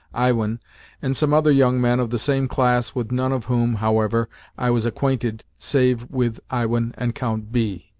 Iwin, and some other young men of the same class with none of whom, however, was acquainted save with Iwin and Count B.